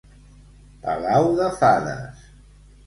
Palau de fades.